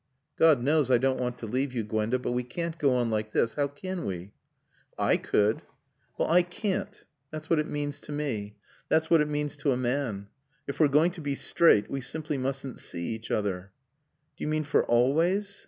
"God knows I don't want to leave you, Gwenda. But we can't go on like this. How can we?" "I could." "Well, I can't. That's what it means to me. That's what it means to a man. If we're going to be straight we simply mustn't see each other." "Do you mean for always?